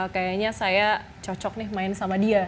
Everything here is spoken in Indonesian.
kayaknya saya cocok nih main sama dia